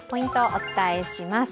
お伝えします。